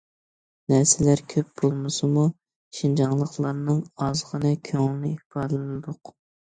نەرسىلەر كۆپ بولمىسىمۇ، شىنجاڭلىقلارنىڭ ئازغىنە كۆڭلىنى ئىپادىلىدۇق.